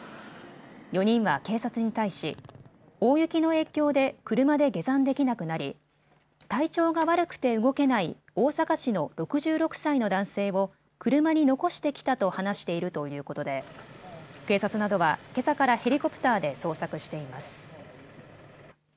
４人は警察に対し大雪の影響で車で下山できなくなり体調が悪くて動けない大阪市の６６歳の男性を車に残してきたと話しているということで警察などは、けさからヘリコプターで捜索しています。